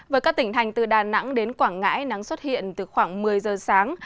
với các tỉnh thành từ đà nẵng đến quảng ngãi nắng xuất hiện từ khoảng một mươi giờ sáng